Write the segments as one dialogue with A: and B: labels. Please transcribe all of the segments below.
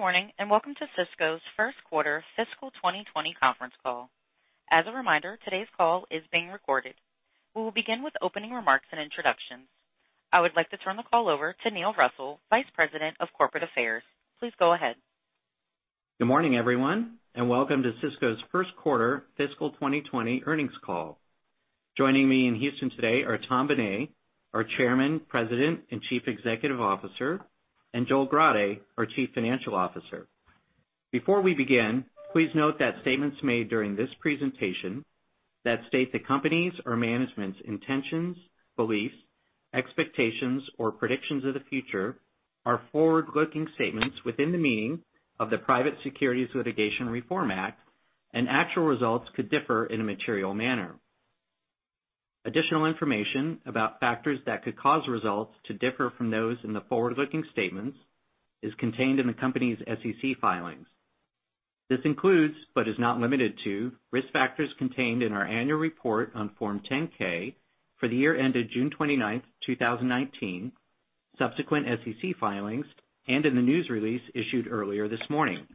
A: Good morning, and welcome to Sysco's first quarter fiscal 2020 conference call. As a reminder, today's call is being recorded. We will begin with opening remarks and introductions. I would like to turn the call over to Neil Russell, Vice President of Corporate Affairs. Please go ahead.
B: Good morning, everyone, and welcome to Sysco's first quarter fiscal 2020 earnings call. Joining me in Houston today are Tom Bené, our Chairman, President, and Chief Executive Officer, and Joel Grade, our Chief Financial Officer. Before we begin, please note that statements made during this presentation that state the company's or management's intentions, beliefs, expectations, or predictions of the future are forward-looking statements within the meaning of the Private Securities Litigation Reform Act, and actual results could differ in a material manner. Additional information about factors that could cause results to differ from those in the forward-looking statements is contained in the company's SEC filings. This includes, but is not limited to, risk factors contained in our annual report on Form 10-K for the year ended June 29th, 2019, subsequent SEC filings, and in the news release issued earlier this morning.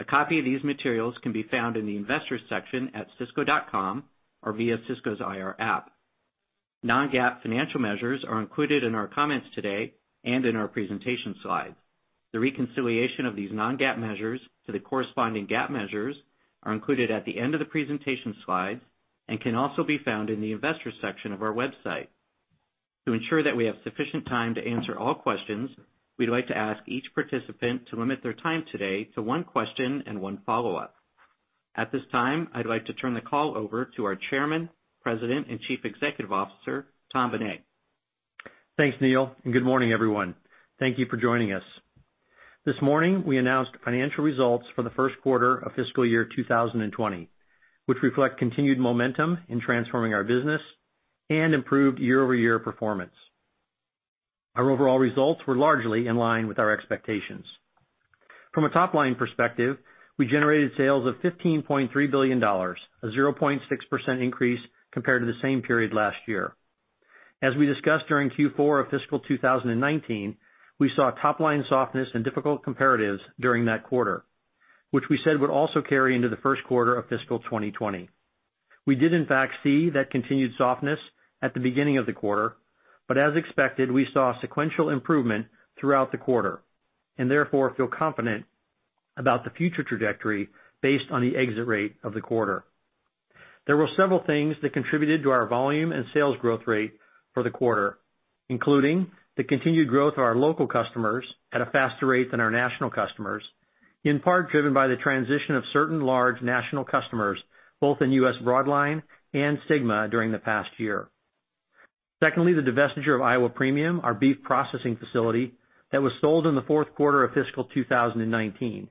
B: A copy of these materials can be found in the Investors section at sysco.com or via Sysco's IR app. Non-GAAP financial measures are included in our comments today and in our presentation slides. The reconciliation of these non-GAAP measures to the corresponding GAAP measures are included at the end of the presentation slides and can also be found in the Investors section of our website. To ensure that we have sufficient time to answer all questions, we'd like to ask each participant to limit their time today to one question and one follow-up. At this time, I'd like to turn the call over to our Chairman, President, and Chief Executive Officer, Tom Bené.
C: Thanks, Neil. Good morning, everyone. Thank you for joining us. This morning, we announced financial results for the first quarter of fiscal year 2020, which reflect continued momentum in transforming our business and improved year-over-year performance. Our overall results were largely in line with our expectations. From a top-line perspective, we generated sales of $15.3 billion, a 0.6% increase compared to the same period last year. As we discussed during Q4 of fiscal 2019, we saw top-line softness and difficult comparatives during that quarter, which we said would also carry into the first quarter of fiscal 2020. We did in fact see that continued softness at the beginning of the quarter. As expected, we saw sequential improvement throughout the quarter. Therefore feel confident about the future trajectory based on the exit rate of the quarter. There were several things that contributed to our volume and sales growth rate for the quarter, including the continued growth of our local customers at a faster rate than our national customers, in part driven by the transition of certain large national customers both in U.S. Broadline and Sygma during the past year. Secondly, the divestiture of Iowa Premium, our beef processing facility that was sold in the fourth quarter of fiscal 2019.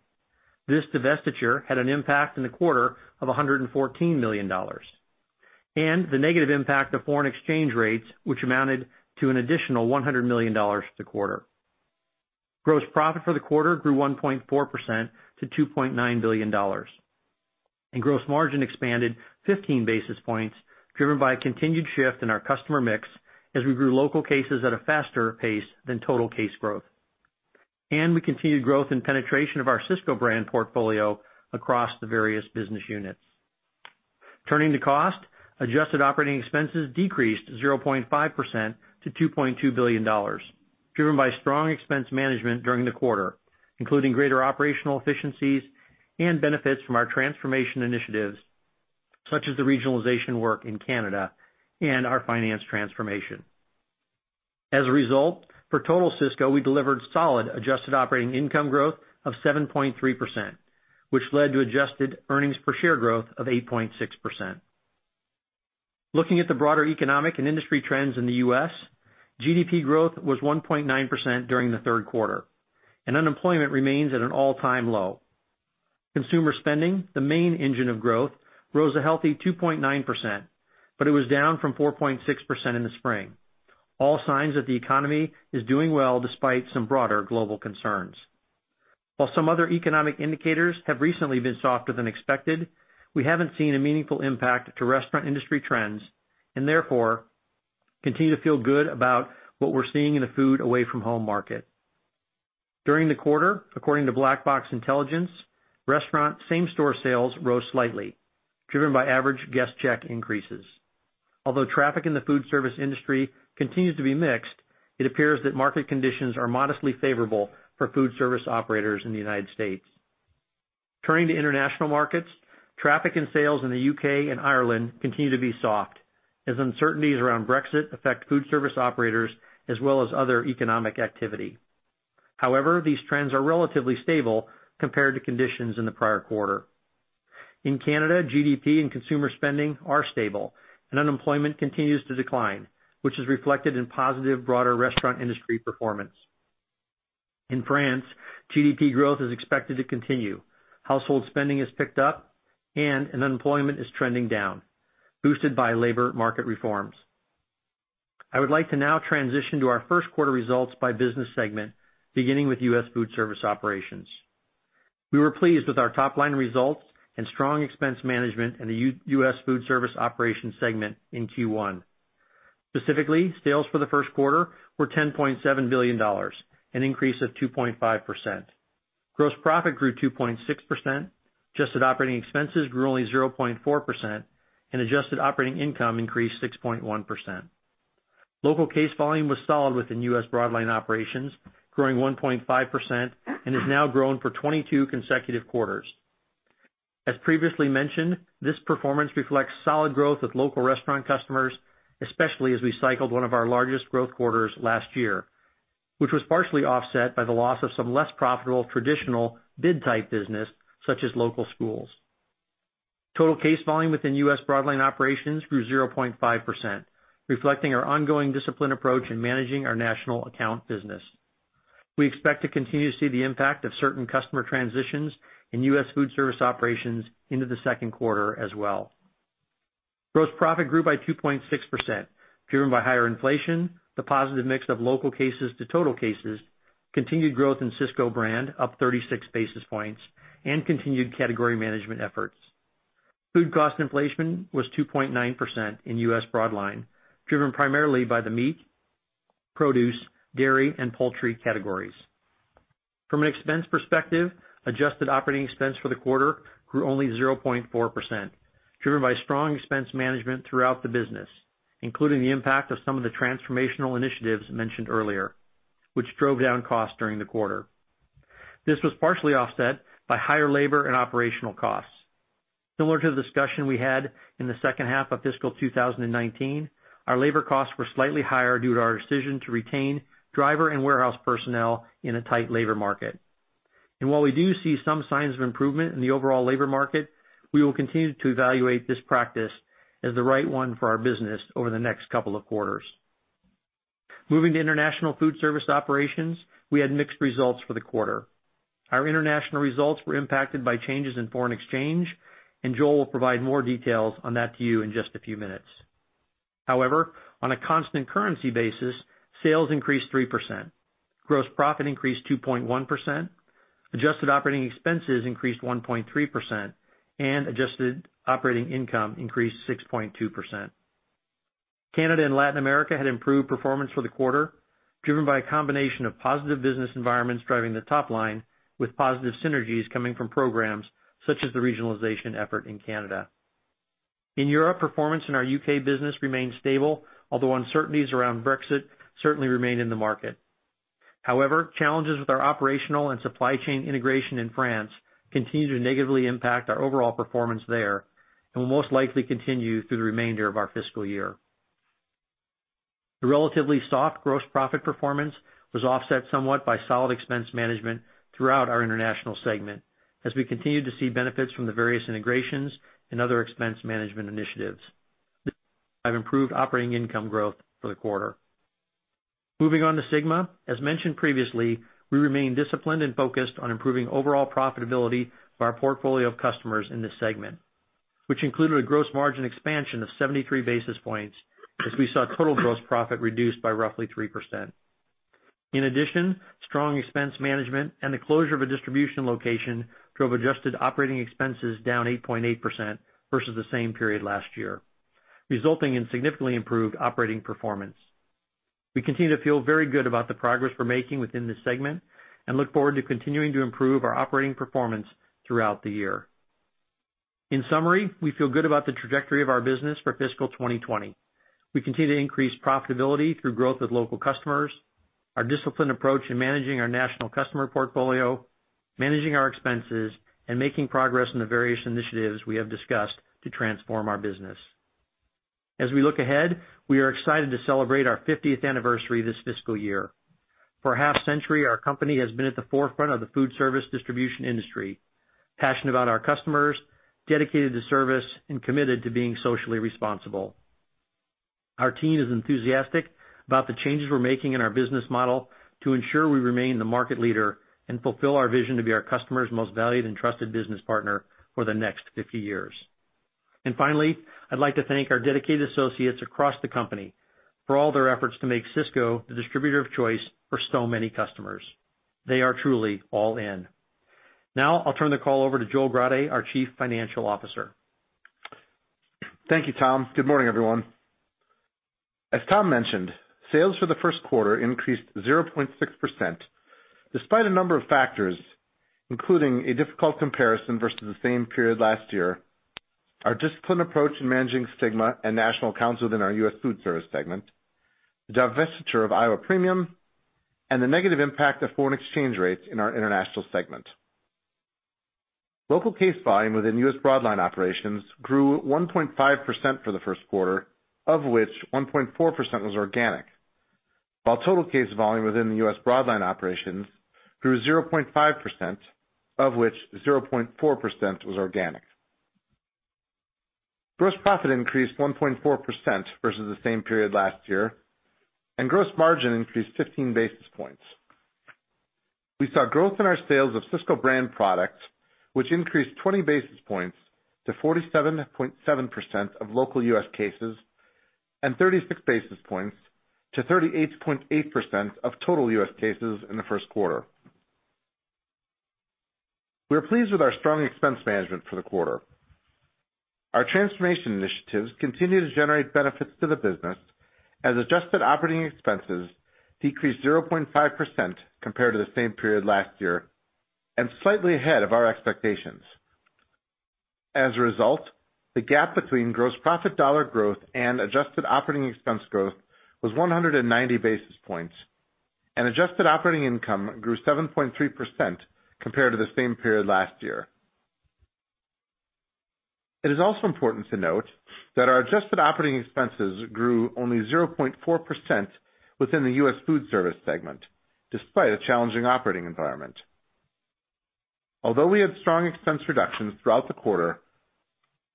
C: This divestiture had an impact in the quarter of $114 million. The negative impact of foreign exchange rates, which amounted to an additional $100 million this quarter. Gross profit for the quarter grew 1.4% to $2.9 billion, and gross margin expanded 15 basis points, driven by a continued shift in our customer mix as we grew local cases at a faster pace than total case growth. We continued growth and penetration of our Sysco Brand portfolio across the various business units. Turning to cost, adjusted operating expenses decreased 0.5% to $2.2 billion, driven by strong expense management during the quarter, including greater operational efficiencies and benefits from our transformation initiatives, such as the regionalization work in Canada and our finance transformation. As a result, for total Sysco, we delivered solid adjusted operating income growth of 7.3%, which led to adjusted earnings per share growth of 8.6%. Looking at the broader economic and industry trends in the U.S., GDP growth was 1.9% during the third quarter, and unemployment remains at an all-time low. Consumer spending, the main engine of growth, rose a healthy 2.9%, but it was down from 4.6% in the spring. All signs that the economy is doing well despite some broader global concerns. While some other economic indicators have recently been softer than expected, we haven't seen a meaningful impact to restaurant industry trends, and therefore, continue to feel good about what we're seeing in the food away from home market. During the quarter, according to Black Box Intelligence, restaurant same store sales rose slightly, driven by average guest check increases. Although traffic in the food service industry continues to be mixed, it appears that market conditions are modestly favorable for food service operators in the United States. Turning to international markets, traffic and sales in the U.K. and Ireland continue to be soft as uncertainties around Brexit affect food service operators as well as other economic activity. However, these trends are relatively stable compared to conditions in the prior quarter. In Canada, GDP and consumer spending are stable, and unemployment continues to decline, which is reflected in positive broader restaurant industry performance. In France, GDP growth is expected to continue. Household spending has picked up, and unemployment is trending down, boosted by labor market reforms. I would like to now transition to our first quarter results by business segment, beginning with U.S. Foodservice Operations. We were pleased with our top-line results and strong expense management in the U.S. Foodservice Operations segment in Q1. Specifically, sales for the first quarter were $10.7 billion, an increase of 2.5%. Gross profit grew 2.6%, adjusted operating expenses grew only 0.4%, and adjusted operating income increased 6.1%. Local case volume was solid within U.S. Broadline operations, growing 1.5% and has now grown for 22 consecutive quarters. As previously mentioned, this performance reflects solid growth with local restaurant customers, especially as we cycled one of our largest growth quarters last year, which was partially offset by the loss of some less profitable traditional bid-type business, such as local schools. Total case volume within U.S. Broadline operations grew 0.5%, reflecting our ongoing disciplined approach in managing our national account business. We expect to continue to see the impact of certain customer transitions in U.S. Foodservice Operations into the second quarter as well. Gross profit grew by 2.6%, driven by higher inflation, the positive mix of local cases to total cases, continued growth in Sysco Brand up 36 basis points, and continued category management efforts. Food cost inflation was 2.9% in U.S. Broadline, driven primarily by the meat, produce, dairy, and poultry categories. From an expense perspective, adjusted operating expense for the quarter grew only 0.4%, driven by strong expense management throughout the business, including the impact of some of the transformational initiatives mentioned earlier, which drove down costs during the quarter. This was partially offset by higher labor and operational costs. Similar to the discussion we had in the second half of fiscal 2019, our labor costs were slightly higher due to our decision to retain driver and warehouse personnel in a tight labor market. While we do see some signs of improvement in the overall labor market, we will continue to evaluate this practice as the right one for our business over the next couple of quarters. Moving to International Foodservice Operations, we had mixed results for the quarter. Our international results were impacted by changes in foreign exchange, and Joel will provide more details on that to you in just a few minutes. On a constant currency basis, sales increased 3%, gross profit increased 2.1%, adjusted operating expenses increased 1.3%, and adjusted operating income increased 6.2%. Canada and Latin America had improved performance for the quarter, driven by a combination of positive business environments driving the top line with positive synergies coming from programs such as the regionalization effort in Canada. In Europe, performance in our U.K. business remained stable, although uncertainties around Brexit certainly remain in the market. Challenges with our operational and supply chain integration in France continue to negatively impact our overall performance there and will most likely continue through the remainder of our fiscal year. The relatively soft gross profit performance was offset somewhat by solid expense management throughout our international segment, as we continued to see benefits from the various integrations and other expense management initiatives. This drove improved operating income growth for the quarter. Moving on to Sygma. As mentioned previously, we remain disciplined and focused on improving overall profitability for our portfolio of customers in this segment, which included a gross margin expansion of 73 basis points as we saw total gross profit reduced by roughly 3%. In addition, strong expense management and the closure of a distribution location drove adjusted operating expenses down 8.8% versus the same period last year, resulting in significantly improved operating performance. We continue to feel very good about the progress we're making within this segment and look forward to continuing to improve our operating performance throughout the year. In summary, we feel good about the trajectory of our business for fiscal 2020. We continue to increase profitability through growth with local customers, our disciplined approach in managing our national customer portfolio, managing our expenses, and making progress in the various initiatives we have discussed to transform our business. As we look ahead, we are excited to celebrate our 50th anniversary this fiscal year. For half a century, our company has been at the forefront of the foodservice distribution industry, passionate about our customers, dedicated to service, and committed to being socially responsible. Our team is enthusiastic about the changes we're making in our business model to ensure we remain the market leader and fulfill our vision to be our customers' most valued and trusted business partner for the next 50 years. Finally, I'd like to thank our dedicated associates across the company for all their efforts to make Sysco the distributor of choice for so many customers. They are truly all in. I'll turn the call over to Joel Grade, our Chief Financial Officer.
D: Thank you, Tom. Good morning, everyone. As Tom mentioned, sales for the first quarter increased 0.6%, despite a number of factors, including a difficult comparison versus the same period last year, our disciplined approach in managing Sygma and National Accounts within our U.S. Foodservice segment, the divestiture of Iowa Premium, and the negative impact of foreign exchange rates in our International segment. Local case volume within U.S. Broadline operations grew 1.5% for the first quarter, of which 1.4% was organic. While total case volume within the U.S. Broadline operations grew 0.5%, of which 0.4% was organic. Gross profit increased 1.4% versus the same period last year, and gross margin increased 15 basis points. We saw growth in our sales of Sysco Brand products, which increased 20 basis points to 47.7% of local U.S. cases and 36 basis points to 38.8% of total U.S. cases in the first quarter. We are pleased with our strong expense management for the quarter. Our transformation initiatives continue to generate benefits to the business, as adjusted operating expenses decreased 0.5% compared to the same period last year, and slightly ahead of our expectations. As a result, the gap between gross profit dollar growth and adjusted operating expense growth was 190 basis points, and adjusted operating income grew 7.3% compared to the same period last year. It is also important to note that our adjusted operating expenses grew only 0.4% within the U.S. Foodservice segment, despite a challenging operating environment. Although we had strong expense reductions throughout the quarter,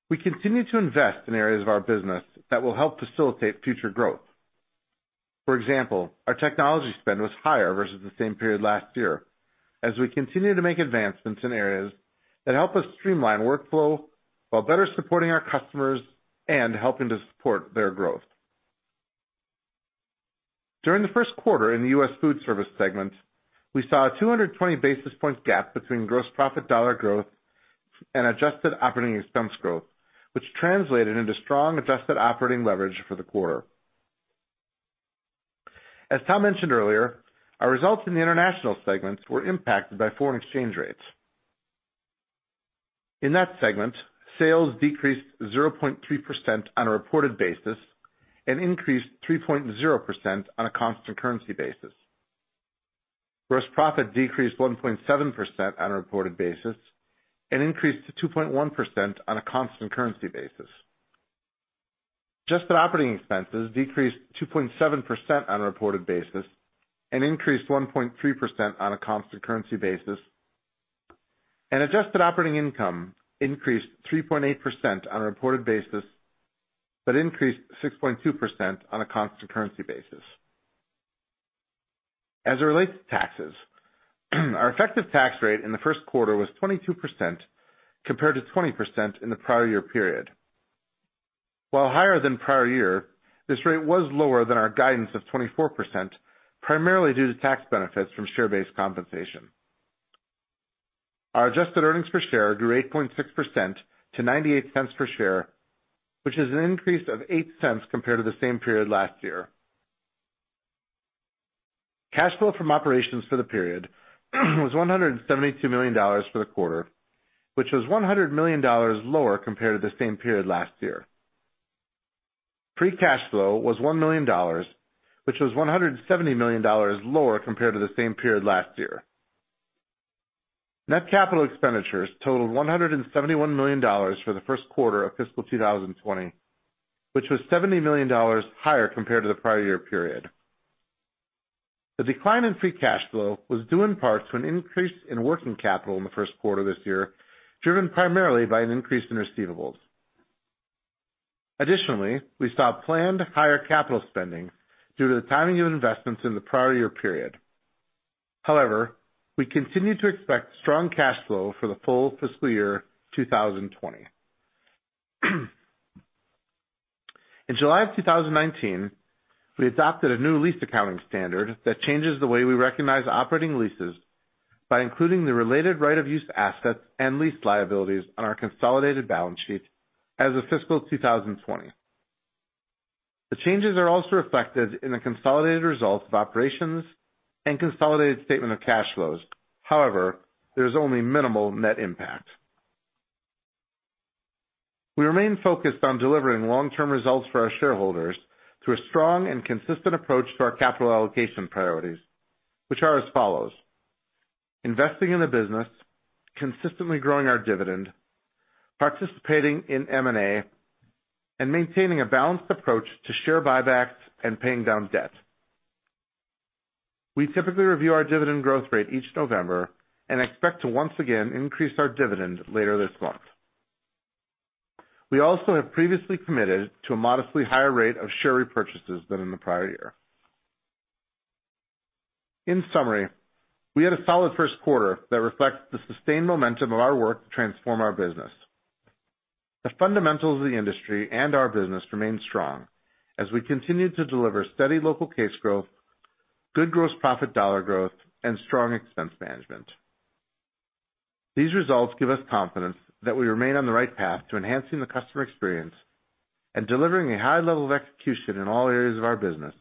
D: we continue to invest in areas of our business that will help facilitate future growth. For example, our technology spend was higher versus the same period last year as we continue to make advancements in areas that help us streamline workflow while better supporting our customers and helping to support their growth. During the first quarter in the U.S. Foodservice segments, we saw a 220 basis points gap between gross profit dollar growth and adjusted operating expense growth, which translated into strong adjusted operating leverage for the quarter. As Tom mentioned earlier, our results in the international segments were impacted by foreign exchange rates. In that segment, sales decreased 0.3% on a reported basis and increased 3.0% on a constant currency basis. Gross profit decreased 1.7% on a reported basis and increased to 2.1% on a constant currency basis. Adjusted operating expenses decreased 2.7% on a reported basis and increased 1.3% on a constant currency basis. Adjusted operating income increased 3.8% on a reported basis, but increased 6.2% on a constant currency basis. As it relates to taxes, our effective tax rate in the first quarter was 22% compared to 20% in the prior year period. While higher than prior year, this rate was lower than our guidance of 24%, primarily due to tax benefits from share-based compensation. Our adjusted earnings per share grew 8.6% to $0.98 per share, which is an increase of $0.08 compared to the same period last year. Cash flow from operations for the period was $172 million for the quarter, which was $100 million lower compared to the same period last year. Free cash flow was $1 million, which was $170 million lower compared to the same period last year. Net capital expenditures totaled $171 million for the first quarter of fiscal 2020, which was $70 million higher compared to the prior year period. The decline in free cash flow was due in part to an increase in working capital in the first quarter this year, driven primarily by an increase in receivables. We saw planned higher capital spending due to the timing of investments in the prior year period. We continue to expect strong cash flow for the full fiscal year 2020. In July of 2019, we adopted a new lease accounting standard that changes the way we recognize operating leases by including the related right of use assets and lease liabilities on our consolidated balance sheet as of fiscal 2020. The changes are also reflected in the consolidated results of operations and consolidated statement of cash flows. There's only minimal net impact. We remain focused on delivering long-term results for our shareholders through a strong and consistent approach to our capital allocation priorities, which are as follows: investing in the business, consistently growing our dividend, participating in M&A, and maintaining a balanced approach to share buybacks and paying down debt. We typically review our dividend growth rate each November and expect to once again increase our dividend later this month. We also have previously committed to a modestly higher rate of share repurchases than in the prior year. In summary, we had a solid first quarter that reflects the sustained momentum of our work to transform our business. The fundamentals of the industry and our business remain strong as we continue to deliver steady local case growth, good gross profit dollar growth, and strong expense management. These results give us confidence that we remain on the right path to enhancing the customer experience and delivering a high level of execution in all areas of our business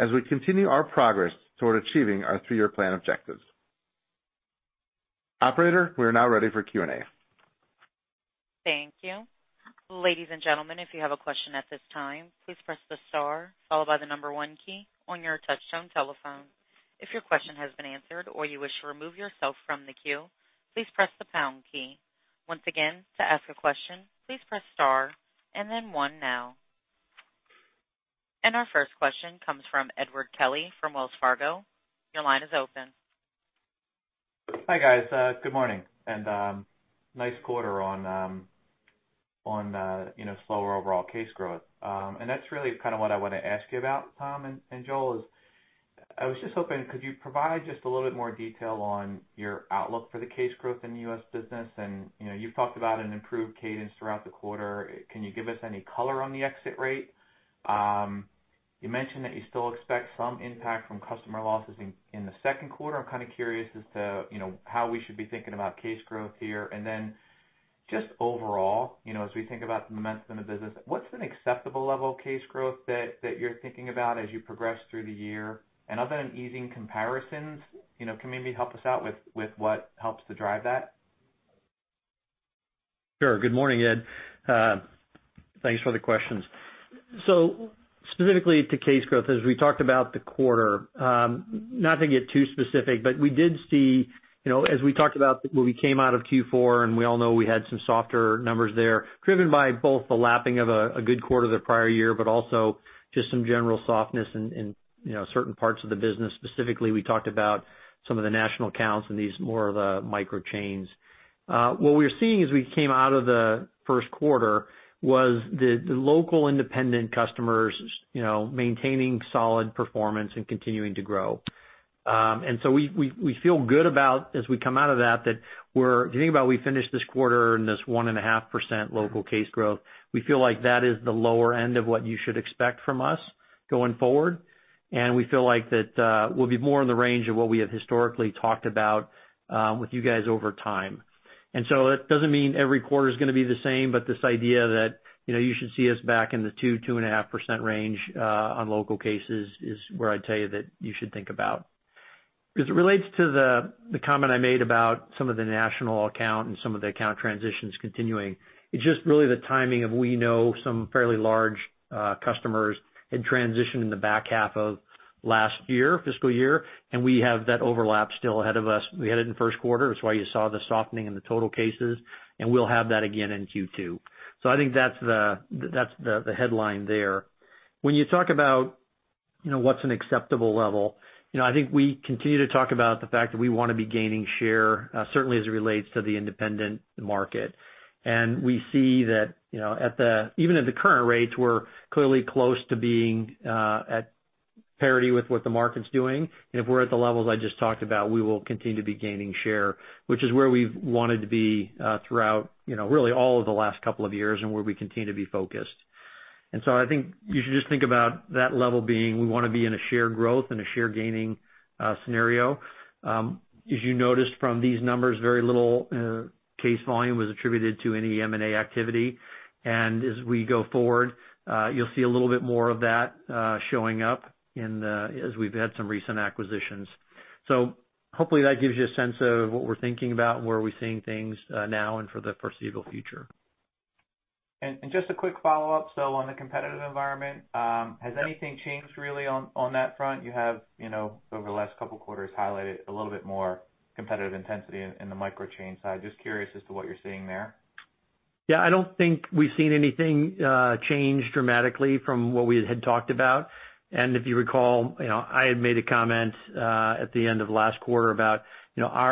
D: as we continue our progress toward achieving our three-year plan objectives. Operator, we are now ready for Q&A.
A: Thank you. Ladies and gentlemen, if you have a question at this time, please press the star followed by the number 1 key on your touch-tone telephone. If your question has been answered or you wish to remove yourself from the queue, please press the pound key. Once again, to ask a question, please press star and then 1 now. Our first question comes from Edward Kelly from Wells Fargo. Your line is open.
E: Hi, guys. Good morning. Nice quarter on slower overall case growth. That's really what I want to ask you about, Tom and Joel. I was just hoping, could you provide just a little bit more detail on your outlook for the case growth in the U.S. business? You've talked about an improved cadence throughout the quarter. Can you give us any color on the exit rate? You mentioned that you still expect some impact from customer losses in the second quarter. I'm kind of curious as to how we should be thinking about case growth here. Just overall, as we think about the momentum of the business, what's an acceptable level of case growth that you're thinking about as you progress through the year? Other than easing comparisons, can you maybe help us out with what helps to drive that?
C: Sure. Good morning, Ed. Thanks for the questions. Specifically to case growth, as we talked about the quarter, not to get too specific, but we did see, as we talked about when we came out of Q4, and we all know we had some softer numbers there, driven by both the lapping of a good quarter the prior year, but also just some general softness in certain parts of the business. Specifically, we talked about some of the national accounts and these more of the micro chains. What we were seeing as we came out of the first quarter was the local independent customers maintaining solid performance and continuing to grow. We feel good about as we come out of that, if you think about we finished this quarter in this 1.5% local case growth. We feel like that is the lower end of what you should expect from us going forward, and we feel like that we'll be more in the range of what we have historically talked about with you guys over time. It doesn't mean every quarter's going to be the same, but this idea that you should see us back in the 2%-2.5% range on local cases is where I'd tell you that you should think about. As it relates to the comment I made about some of the national account and some of the account transitions continuing, it's just really the timing of we know some fairly large customers had transitioned in the back half of last year, fiscal year, and we have that overlap still ahead of us. We had it in the first quarter, that's why you saw the softening in the total cases, and we'll have that again in Q2. I think that's the headline there. When you talk about what's an acceptable level, I think we continue to talk about the fact that we want to be gaining share, certainly as it relates to the independent market. We see that even at the current rates, we're clearly close to being at parity with what the market's doing. If we're at the levels I just talked about, we will continue to be gaining share, which is where we've wanted to be throughout really all of the last couple of years and where we continue to be focused. I think you should just think about that level being, we want to be in a share growth and a share gaining scenario. As you noticed from these numbers, very little case volume was attributed to any M&A activity. As we go forward, you'll see a little bit more of that showing up as we've had some recent acquisitions. Hopefully that gives you a sense of what we're thinking about and where we're seeing things now and for the foreseeable future.
E: Just a quick follow-up. On the competitive environment, has anything changed really on that front? You have, over the last couple of quarters, highlighted a little bit more competitive intensity in the micro chain side. Just curious as to what you are seeing there.
C: Yeah, I don't think we've seen anything change dramatically from what we had talked about. If you recall, I had made a comment at the end of last quarter about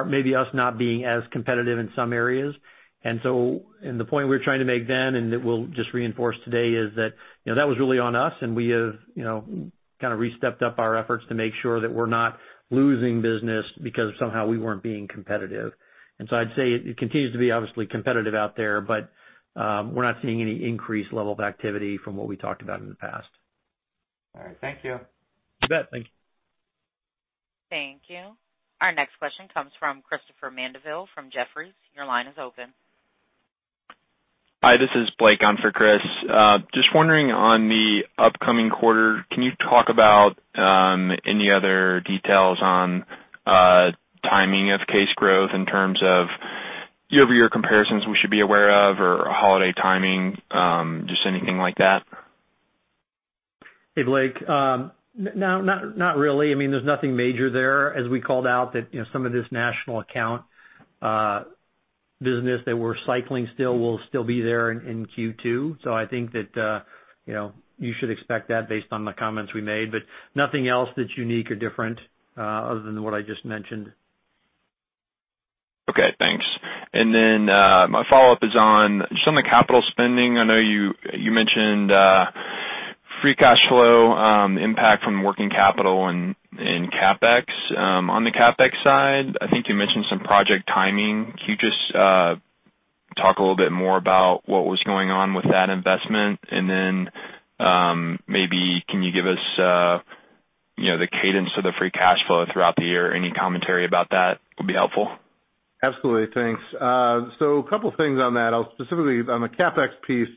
C: maybe us not being as competitive in some areas. The point we were trying to make then and that we'll just reinforce today is that was really on us, and we have kind of re-stepped up our efforts to make sure that we're not losing business because somehow we weren't being competitive. I'd say it continues to be obviously competitive out there, but we're not seeing any increased level of activity from what we talked about in the past.
E: All right. Thank you.
C: You bet. Thank you.
A: Thank you. Our next question comes from Christopher Mandeville from Jefferies. Your line is open.
F: Hi, this is Blake. I'm for Chris. Just wondering on the upcoming quarter, can you talk about any other details on timing of case growth in terms of year-over-year comparisons we should be aware of or holiday timing? Just anything like that?
C: Hey, Blake. Not really. There's nothing major there as we called out that some of this national account business that we're cycling still be there in Q2. I think that you should expect that based on the comments we made, but nothing else that's unique or different other than what I just mentioned.
F: Okay, thanks. My follow-up is on some of the capital spending. I know you mentioned free cash flow impact from working capital and in CapEx. On the CapEx side, I think you mentioned some project timing. Can you just talk a little bit more about what was going on with that investment, and then maybe can you give us the cadence of the free cash flow throughout the year? Any commentary about that would be helpful.
D: Absolutely. Thanks. A couple things on that. Specifically on the CapEx piece,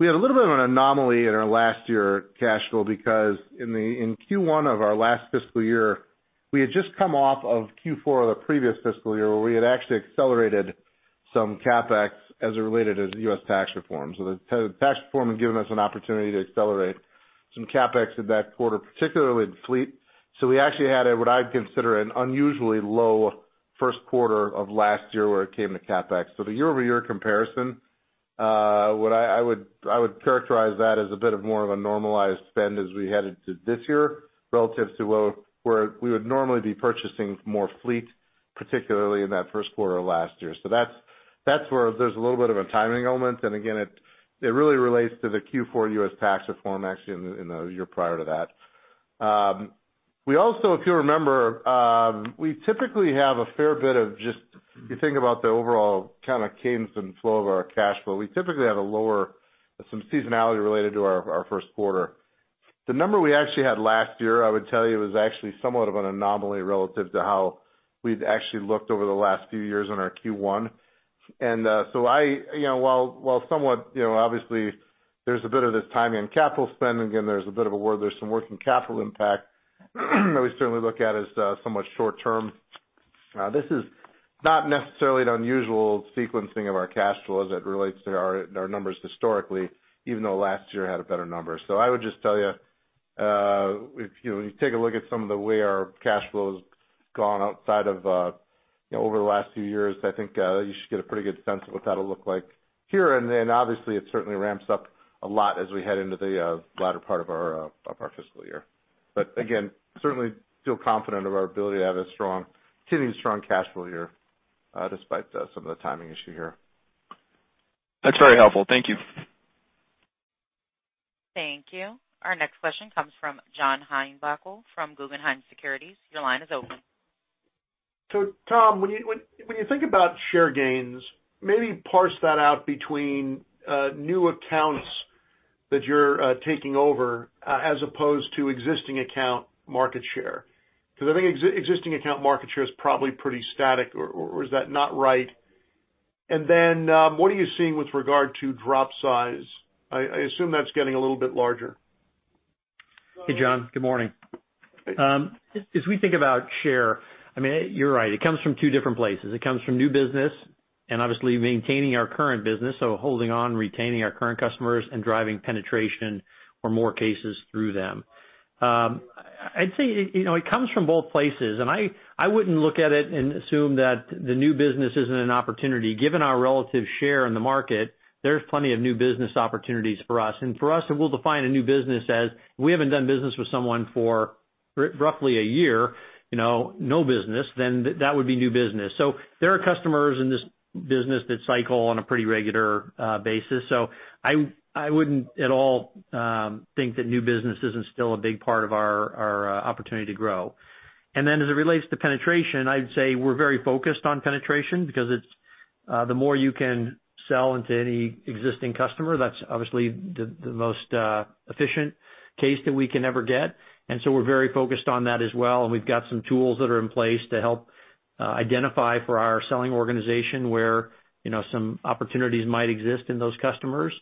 D: we had a little bit of an anomaly in our last year cash flow because in Q1 of our last fiscal year, we had just come off of Q4 of the previous fiscal year where we had actually accelerated some CapEx as it related to the U.S. tax reform. The tax reform had given us an opportunity to accelerate some CapEx in that quarter, particularly in fleet. We actually had what I'd consider an unusually low first quarter of last year where it came to CapEx. The year-over-year comparison, I would characterize that as a bit of more of a normalized spend as we headed to this year relative to where we would normally be purchasing more fleet, particularly in that first quarter of last year. That's where there's a little bit of a timing element. Again, it really relates to the Q4 U.S. tax reform actually in the year prior to that. We also, if you remember, we typically have a fair bit of just, if you think about the overall kind of cadence and flow of our cash flow, we typically have some seasonality related to our first quarter. The number we actually had last year, I would tell you, was actually somewhat of an anomaly relative to how we've actually looked over the last few years in our Q1. While somewhat, obviously, there's a bit of this timing in capital spend, again, there's a bit of a word there, some working capital impact that we certainly look at as somewhat short term. This is not necessarily an unusual sequencing of our cash flow as it relates to our numbers historically, even though last year had a better number. I would just tell you, if you take a look at some of the way our cash flow has gone outside of over the last few years, I think you should get a pretty good sense of what that'll look like here. Obviously it certainly ramps up a lot as we head into the latter part of our fiscal year. Again, certainly feel confident of our ability to have a continuing strong cash flow here, despite some of the timing issue here.
F: That's very helpful. Thank you.
A: Thank you. Our next question comes from John Heinbockel from Guggenheim Securities. Your line is open.
G: Tom, when you think about share gains, maybe parse that out between new accounts that you're taking over as opposed to existing account market share, because I think existing account market share is probably pretty static, or is that not right? Then, what are you seeing with regard to drop size? I assume that's getting a little bit larger.
C: Hey, John. Good morning.
G: Hey.
C: As we think about share, you're right. It comes from two different places. It comes from new business and obviously maintaining our current business, so holding on, retaining our current customers and driving penetration or more cases through them. I'd say it comes from both places, and I wouldn't look at it and assume that the new business isn't an opportunity. Given our relative share in the market, there's plenty of new business opportunities for us. For us, we'll define a new business as we haven't done business with someone for roughly a year, no business, then that would be new business. There are customers in this business that cycle on a pretty regular basis. I wouldn't at all think that new business isn't still a big part of our opportunity to grow. As it relates to penetration, I'd say we're very focused on penetration because the more you can sell into any existing customer, that's obviously the most efficient case that we can ever get. We're very focused on that as well, and we've got some tools that are in place to help identify for our selling organization where some opportunities might exist in those customers.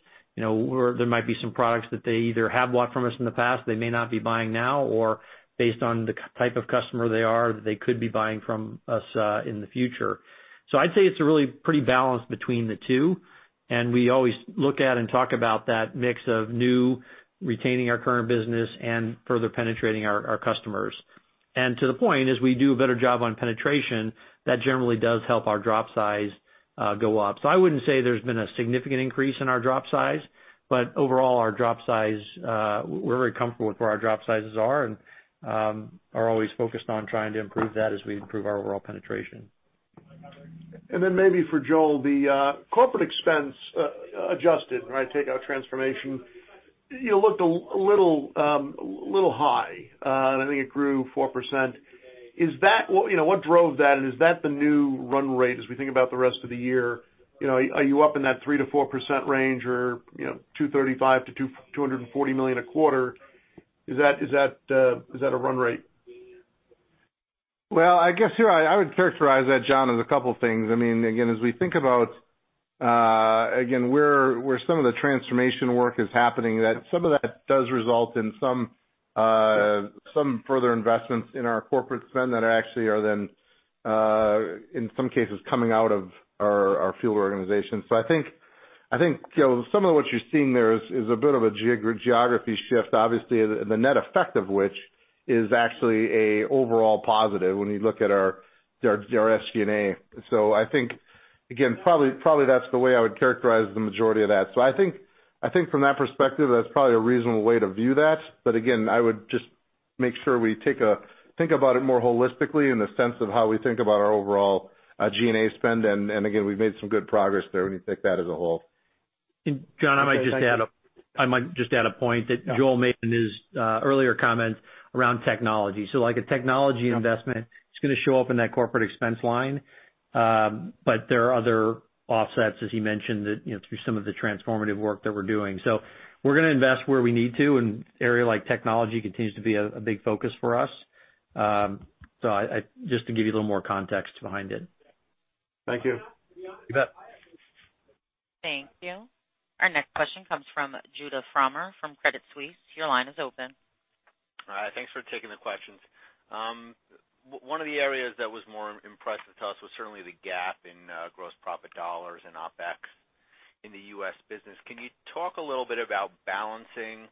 C: There might be some products that they either have bought from us in the past, they may not be buying now, or based on the type of customer they are, that they could be buying from us in the future. I'd say it's a really pretty balance between the two, and we always look at and talk about that mix of new, retaining our current business, and further penetrating our customers. To the point, as we do a better job on penetration, that generally does help our drop size go up. I wouldn't say there's been a significant increase in our drop size, but overall, our drop size, we're very comfortable with where our drop sizes are and are always focused on trying to improve that as we improve our overall penetration.
G: Maybe for Joel, the corporate expense adjusted, take out transformation, looked a little high. I think it grew 4%. What drove that? Is that the new run rate as we think about the rest of the year? Are you up in that 3%-4% range or $235 million-$240 million a quarter? Is that a run rate?
D: I guess here I would characterize that, John, as a couple things. Again, as we think about where some of the transformation work is happening, some of that does result in some further investments in our corporate spend that actually are then, in some cases, coming out of our field organization. I think some of what you're seeing there is a bit of a geography shift, obviously, the net effect of which is actually a overall positive when you look at our SG&A. I think, again, probably that's the way I would characterize the majority of that. I think from that perspective, that's probably a reasonable way to view that. Again, I would just make sure we think about it more holistically in the sense of how we think about our overall G&A spend. Again, we've made some good progress there when you take that as a whole.
C: John, I might just add a point that Joel made in his earlier comment around technology. Like a technology investment, it's going to show up in that corporate expense line. There are other offsets, as he mentioned, through some of the transformative work that we're doing. We're going to invest where we need to, and an area like technology continues to be a big focus for us. Just to give you a little more context behind it.
G: Thank you.
C: You bet.
A: Thank you. Our next question comes from Judah Frommer from Credit Suisse. Your line is open.
H: All right, thanks for taking the questions. One of the areas that was more impressive to us was certainly the gap in gross profit dollars and OpEx in the U.S. business. Can you talk a little bit about balancing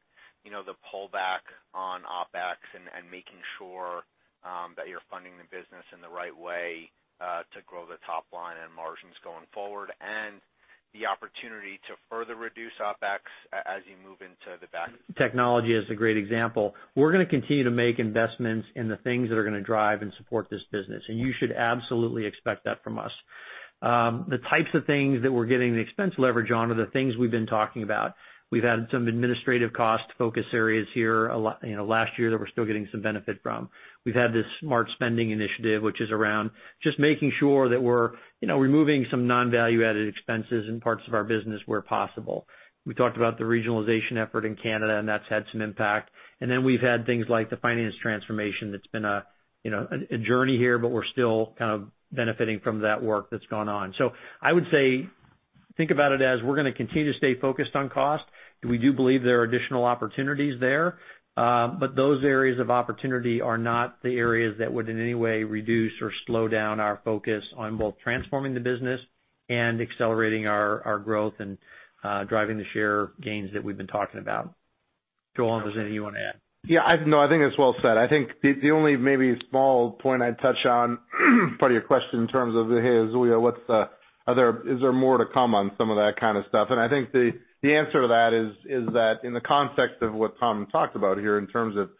H: the pullback on OpEx and making sure that you're funding the business in the right way to grow the top line and margins going forward, and the opportunity to further reduce OpEx as you move into the back?
C: Technology is a great example. We're going to continue to make investments in the things that are going to drive and support this business. You should absolutely expect that from us. The types of things that we're getting the expense leverage on are the things we've been talking about. We've had some administrative cost focus areas here last year that we're still getting some benefit from. We've had this smart spending initiative, which is around just making sure that we're removing some non-value added expenses in parts of our business where possible. We talked about the regionalization effort in Canada, and that's had some impact. We've had things like the finance transformation. That's been a journey here, but we're still kind of benefiting from that work that's gone on. I would say, think about it as we're going to continue to stay focused on cost, and we do believe there are additional opportunities there. Those areas of opportunity are not the areas that would in any way reduce or slow down our focus on both transforming the business and accelerating our growth and driving the share gains that we've been talking about. Joel, is there anything you want to add?
D: Yeah. No, I think it's well said. I think the only maybe small point I'd touch on part of your question in terms of, "Hey, Joel Grade, is there more to come on some of that kind of stuff?" I think the answer to that is that in the context of what Tom talked about here, in terms of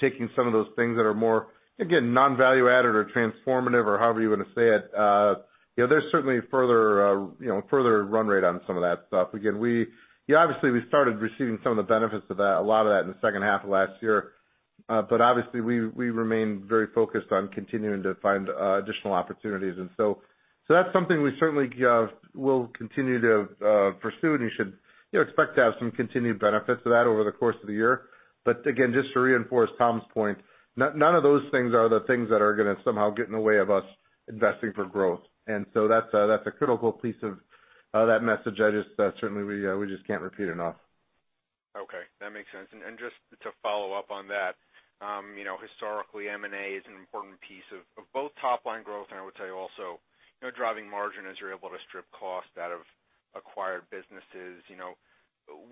D: taking some of those things that are more, again, non-value added or transformative or however you want to say it, there's certainly further run rate on some of that stuff. Obviously we started receiving some of the benefits of a lot of that in the second half of last year. Obviously we remain very focused on continuing to find additional opportunities. That's something we certainly will continue to pursue, and you should expect to have some continued benefits of that over the course of the year. Again, just to reinforce Tom's point, none of those things are the things that are going to somehow get in the way of us investing for growth. That's a critical piece of that message. That certainly we just can't repeat enough.
H: Okay, that makes sense. Just to follow up on that, historically M&A is an important piece of both top line growth and I would say also driving margin as you're able to strip cost out of acquired businesses.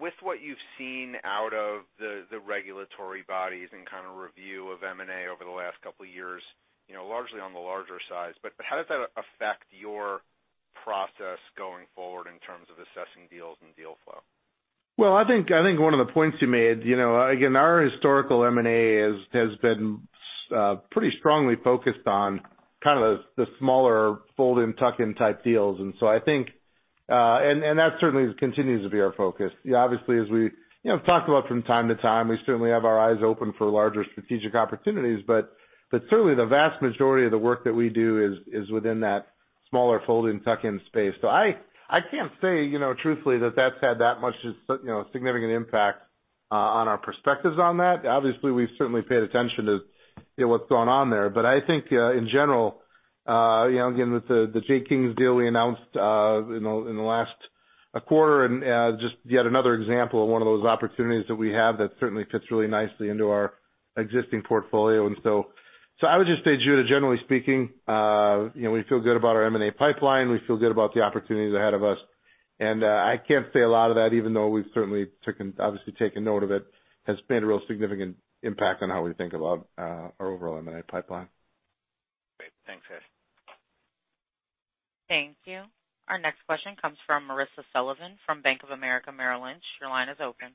H: With what you've seen out of the regulatory bodies and kind of review of M&A over the last couple of years, largely on the larger size, how does that affect your process going forward in terms of assessing deals and deal flow?
D: Well, I think one of the points you made, again, our historical M&A has been pretty strongly focused on kind of the smaller fold-in, tuck-in type deals. That certainly continues to be our focus. Obviously, as we have talked about from time to time, we certainly have our eyes open for larger strategic opportunities, but certainly the vast majority of the work that we do is within that smaller fold-in, tuck-in space. I can't say truthfully that that's had that much significant impact on our perspectives on that. Obviously, we've certainly paid attention to what's going on there. I think, in general, again, with the J. Kings deal we announced in the last quarter and just yet another example of one of those opportunities that we have that certainly fits really nicely into our existing portfolio. I would just say, Judah, generally speaking we feel good about our M&A pipeline. We feel good about the opportunities ahead of us, and I can't say a lot of that, even though we've certainly obviously taken note of it, has been a real significant impact on how we think about our overall M&A pipeline.
H: Great. Thanks, guys.
A: Thank you. Our next question comes from Marissa Sullivan from Bank of America Merrill Lynch. Your line is open.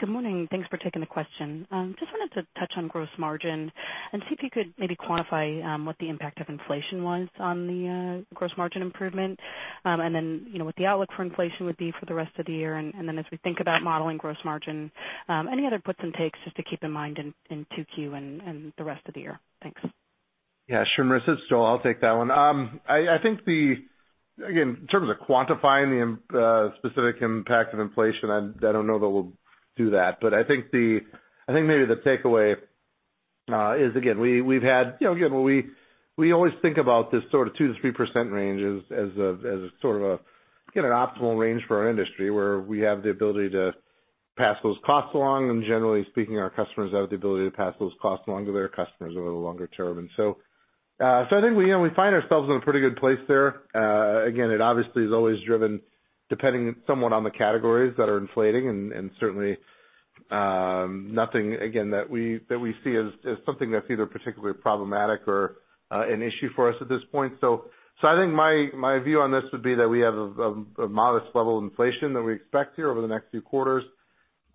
I: Good morning. Thanks for taking the question. Just wanted to touch on gross margin and see if you could maybe quantify what the impact of inflation was on the gross margin improvement. What the outlook for inflation would be for the rest of the year, as we think about modeling gross margin any other puts and takes just to keep in mind in 2Q and the rest of the year? Thanks.
D: Yeah, sure, Marissa. I'll take that one. I think, again, in terms of quantifying the specific impact of inflation, I don't know that we'll do that, but I think maybe the takeaway is, again, we always think about this sort of 2%-3% range as sort of an optimal range for our industry, where we have the ability to pass those costs along, and generally speaking, our customers have the ability to pass those costs along to their customers over the longer term. I think we find ourselves in a pretty good place there. Again, it obviously is always driven depending somewhat on the categories that are inflating and certainly nothing, again, that we see as something that's either particularly problematic or an issue for us at this point. I think my view on this would be that we have a modest level of inflation that we expect here over the next few quarters.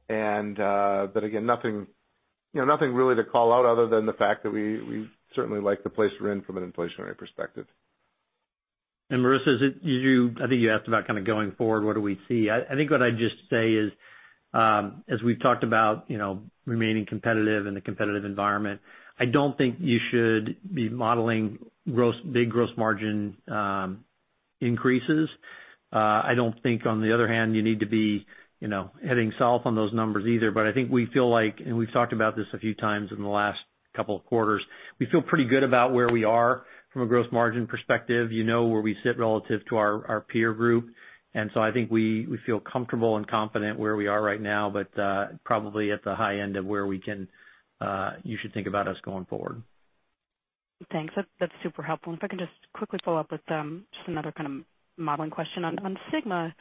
D: Again, nothing really to call out other than the fact that we certainly like the place we're in from an inflationary perspective.
C: Marissa, I think you asked about kind of going forward, what do we see? I think what I'd just say is as we've talked about remaining competitive in the competitive environment, I don't think you should be modeling big gross margin increases. I don't think on the other hand, you need to be heading south on those numbers either. I think we feel like, and we've talked about this a few times in the last couple of quarters, we feel pretty good about where we are from a gross margin perspective, you know where we sit relative to our peer group. I think we feel comfortable and confident where we are right now, but probably at the high end of where you should think about us going forward.
I: Thanks. That's super helpful. If I can just quickly follow up with just another kind of modeling question on Sygma.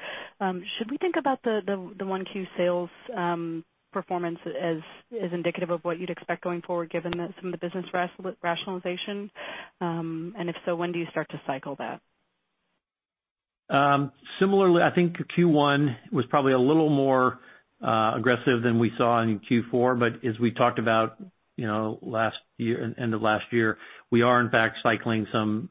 I: Should we think about the 1Q sales performance as indicative of what you'd expect going forward given some of the business rationalization? If so, when do you start to cycle that?
C: Similarly, I think Q1 was probably a little more aggressive than we saw in Q4. As we talked about end of last year, we are in fact cycling some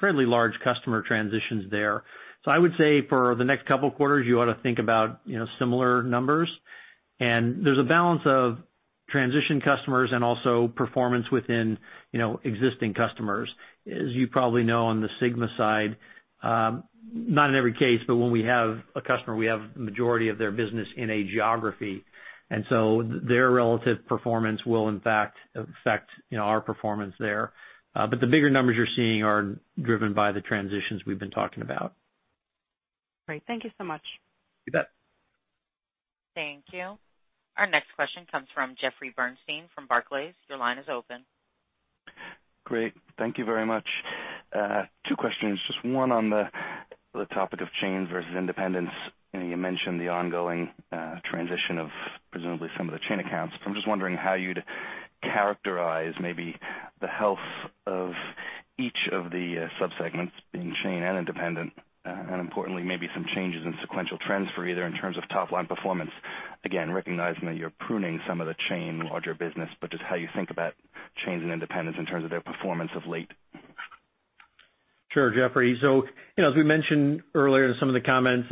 C: fairly large customer transitions there. I would say for the next couple of quarters, you ought to think about similar numbers. There's a balance of transition customers and also performance within existing customers. As you probably know on the Sygma side, not in every case, but when we have a customer, we have majority of their business in a geography, their relative performance will in fact affect our performance there. The bigger numbers you're seeing are driven by the transitions we've been talking about.
I: Great. Thank you so much.
C: You bet.
A: Thank you. Our next question comes from Jeffrey Bernstein from Barclays. Your line is open.
J: Great. Thank you very much. Two questions. Just one on the topic of chains versus independents. You mentioned the ongoing transition of presumably some of the chain accounts. I'm just wondering how you'd characterize maybe the health of each of the sub-segments being chain and independent, and importantly, maybe some changes in sequential trends for either in terms of top-line performance. Again, recognizing that you're pruning some of the chain larger business, but just how you think about chains and independents in terms of their performance of late.
C: Sure, Jeffrey. As we mentioned earlier in some of the comments,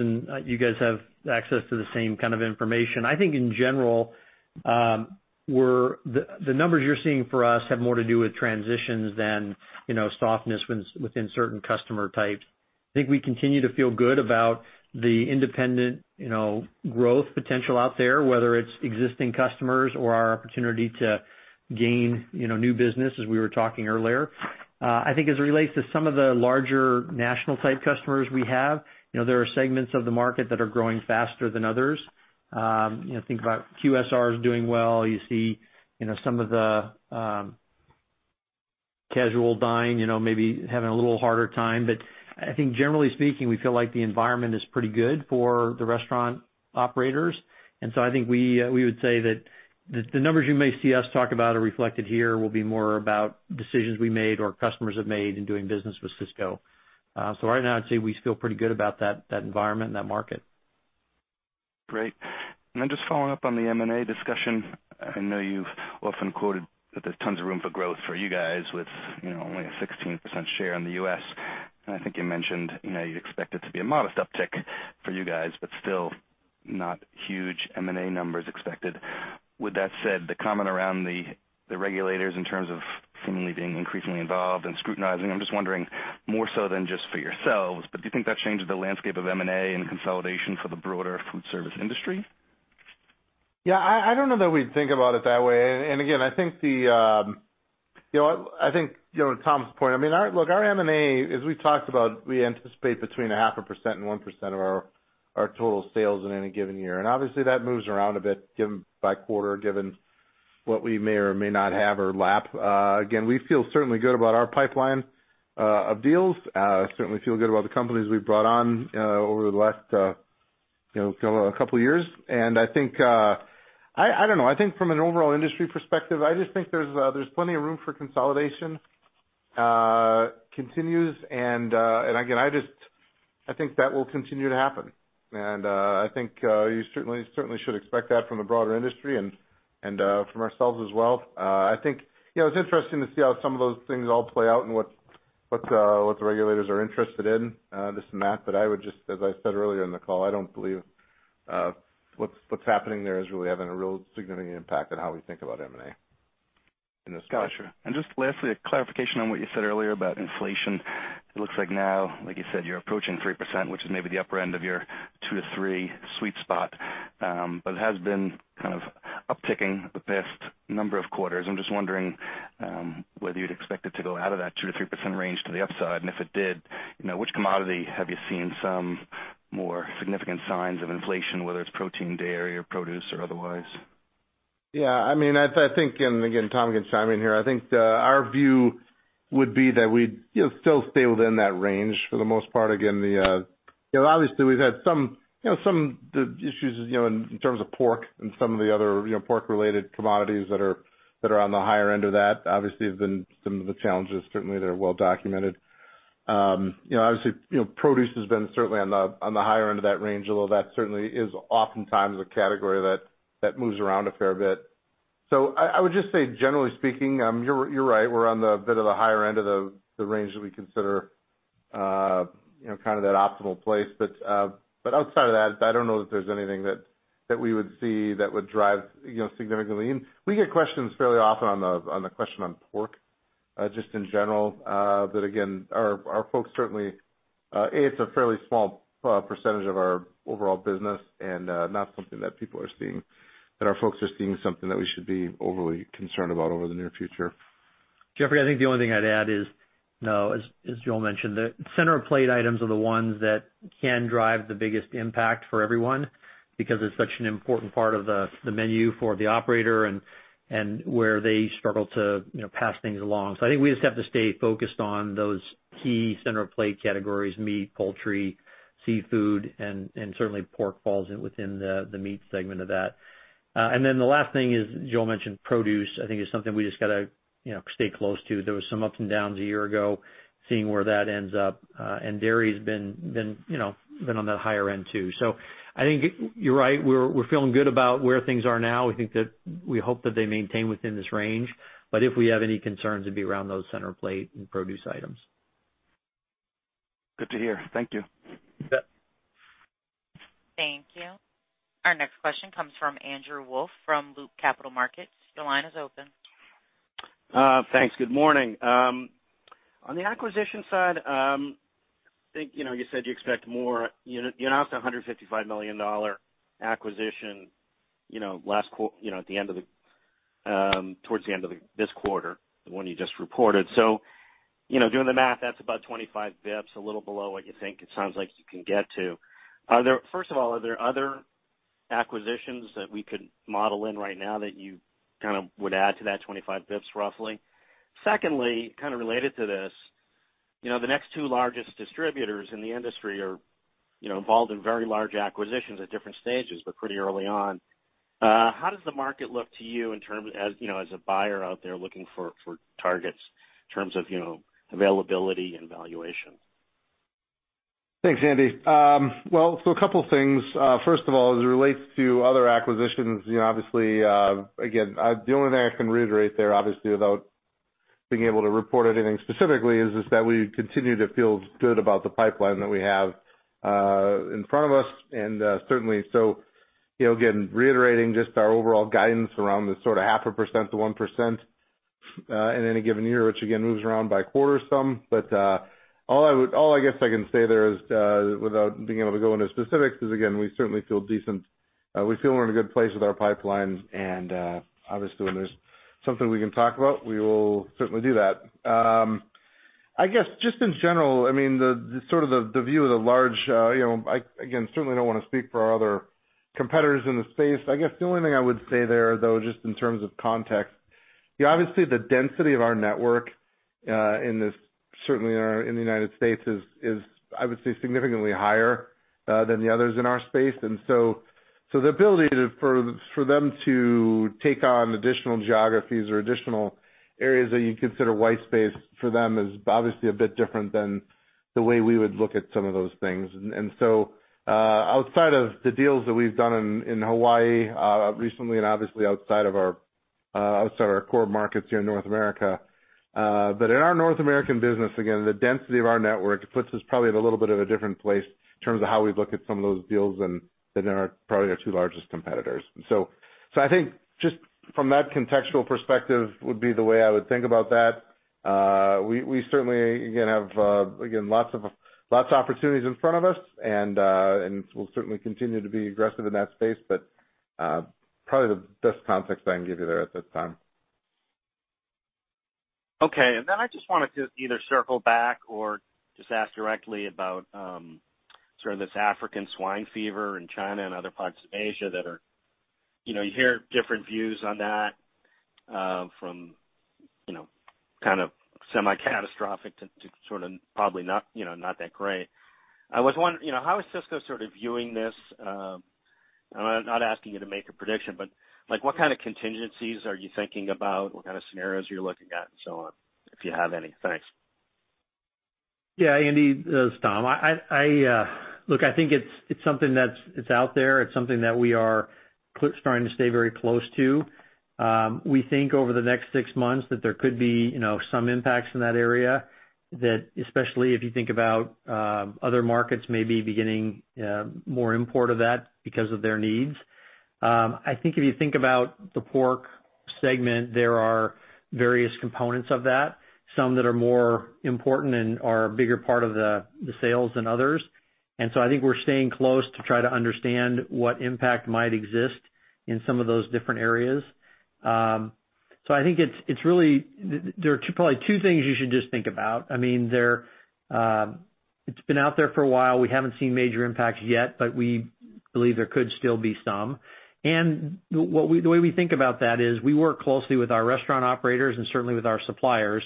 C: you guys have access to the same kind of information. I think in general, the numbers you're seeing for us have more to do with transitions than softness within certain customer types. I think we continue to feel good about the independent growth potential out there, whether it's existing customers or our opportunity to gain new business, as we were talking earlier. I think as it relates to some of the larger national type customers we have, there are segments of the market that are growing faster than others. Think about QSR is doing well. You see some of the casual dine maybe having a little harder time. I think generally speaking, we feel like the environment is pretty good for the restaurant operators. I think we would say that the numbers you may see us talk about or reflected here will be more about decisions we made or customers have made in doing business with Sysco. Right now, I'd say we feel pretty good about that environment and that market.
J: Great. Just following up on the M&A discussion. I know you've often quoted that there's tons of room for growth for you guys with only a 16% share in the U.S. I think you mentioned you'd expect it to be a modest uptick for you guys, but still not huge M&A numbers expected. The comment around the regulators in terms of seemingly being increasingly involved and scrutinizing, I'm just wondering more so than just for yourselves, but do you think that changes the landscape of M&A and consolidation for the broader foodservice industry?
D: Yeah, I don't know that we'd think about it that way. Again, I think Tom's point, look, our M&A, as we talked about, we anticipate between 0.5% and 1% of our total sales in any given year. Obviously, that moves around a bit given by quarter, given what we may or may not have or lap. Again, we feel certainly good about our pipeline of deals. Certainly feel good about the companies we've brought on over the last couple of years. I don't know. I think from an overall industry perspective, I just think there's plenty of room for consolidation continues, and again, I think that will continue to happen. I think you certainly should expect that from the broader industry and from ourselves as well. It's interesting to see how some of those things all play out and what the regulators are interested in. This and that, but I would just, as I said earlier in the call, I don't believe what's happening there is really having a real significant impact on how we think about M&A in this space.
J: Got you. Just lastly, a clarification on what you said earlier about inflation. It looks like now, like you said, you're approaching 3%, which is maybe the upper end of your 2%-3% sweet spot. It has been kind of upticking the past number of quarters. I'm just wondering whether you'd expect it to go out of that 2%-3% range to the upside, and if it did, which commodity have you seen some more significant signs of inflation, whether it's protein, dairy or produce or otherwise?
D: Yeah. Again, Tom can chime in here. I think our view would be that we'd still stay within that range for the most part. Obviously, we've had some issues in terms of pork and some of the other pork-related commodities that are on the higher end of that obviously have been some of the challenges. Certainly, they're well-documented. Obviously, produce has been certainly on the higher end of that range, although that certainly is oftentimes a category that moves around a fair bit. I would just say, generally speaking, you're right. We're on the bit of the higher end of the range that we consider kind of that optimal place. Outside of that, I don't know that there's anything that we would see that would drive significantly. We get questions fairly often on the question on pork, just in general. Again, our folks certainly, A, it's a fairly small percentage of our overall business and not something that our folks are seeing something that we should be overly concerned about over the near future.
C: Jeffrey, I think the only thing I'd add is, as Joel mentioned, the center-of-plate items are the ones that can drive the biggest impact for everyone because it's such an important part of the menu for the operator and where they struggle to pass things along. I think we just have to stay focused on those key center-of-plate categories, meat, poultry, seafood, and certainly pork falls within the meat segment of that. The last thing is, Joel mentioned produce, I think is something we just got to stay close to. There was some ups and downs a year ago, seeing where that ends up. Dairy has been on the higher end too. I think you're right. We're feeling good about where things are now. We hope that they maintain within this range, but if we have any concerns, it'd be around those center-of-plate and produce items. Good to hear. Thank you.
D: Yep.
A: Thank you. Our next question comes from Andrew Wolf from Loop Capital Markets. Your line is open.
K: Thanks. Good morning. On the acquisition side, I think you said you expect more. You announced a $155 million acquisition towards the end of this quarter, the one you just reported. Doing the math, that's about 25 basis points, a little below what you think it sounds like you can get to. First of all, are there other acquisitions that we could model in right now that you would add to that 25 basis points roughly? Secondly, kind of related to this, the next two largest distributors in the industry are involved in very large acquisitions at different stages, but pretty early on. How does the market look to you as a buyer out there looking for targets in terms of availability and valuation?
D: Thanks, Andy. Well, a couple things. First of all, as it relates to other acquisitions, obviously, again, the only thing I can reiterate there, obviously, without being able to report anything specifically is just that we continue to feel good about the pipeline that we have in front of us and certainly. Again, reiterating just our overall guidance around this sort of half a percent to 1% in any given year, which again moves around by quarter some. All I guess I can say there is, without being able to go into specifics, is again, we certainly feel decent. We feel we're in a good place with our pipeline, and obviously when there's something we can talk about, we will certainly do that. I guess, just in general, again, certainly don't want to speak for our other competitors in the space. I guess the only thing I would say there, though, just in terms of context, obviously the density of our network in the United States is, I would say, significantly higher than the others in our space. The ability for them to take on additional geographies or additional areas that you consider white space for them is obviously a bit different than the way we would look at some of those things. Outside of the deals that we've done in Hawaii recently and obviously outside our core markets here in North America. In our North American business, again, the density of our network puts us probably at a little bit of a different place in terms of how we look at some of those deals than probably our two largest competitors. I think just from that contextual perspective would be the way I would think about that. We certainly have lots of opportunities in front of us, and we'll certainly continue to be aggressive in that space. Probably the best context I can give you there at this time.
K: Okay. I just wanted to either circle back or just ask directly about sort of this African swine fever in China and other parts of Asia that you hear different views on that, from kind of semi-catastrophic to sort of probably not that great. I was wondering, how is Sysco sort of viewing this? I am not asking you to make a prediction, but what kind of contingencies are you thinking about? What kind of scenarios are you looking at and so on, if you have any? Thanks.
C: Yeah, Andy. This is Tom. I think it's something that's out there. It's something that we are starting to stay very close to. We think over the next six months that there could be some impacts in that area that, especially if you think about other markets maybe beginning more import of that because of their needs. If you think about the pork segment, there are various components of that, some that are more important and are a bigger part of the sales than others. We're staying close to try to understand what impact might exist in some of those different areas. There are probably two things you should just think about. It's been out there for a while. We haven't seen major impacts yet, but we believe there could still be some. The way we think about that is we work closely with our restaurant operators and certainly with our suppliers.